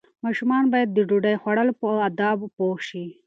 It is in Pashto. ماشومان باید د ډوډۍ خوړلو په آدابو پوه شي.